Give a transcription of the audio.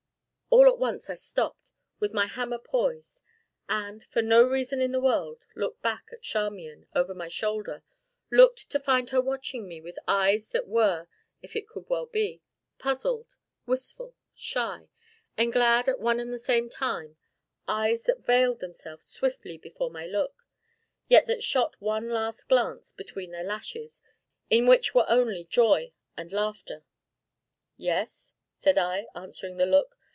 All at once I stopped, with my hammer poised, and, for no reason in the world, looked back at Charmian, over my shoulder; looked to find her watching me with eyes that were (if it could well be) puzzled, wistful, shy, and glad at one and the same time; eyes that veiled themselves swiftly before my look, yet that shot one last glance, between their lashes, in which were only joy and laughter. "Yes?" said I, answering the look.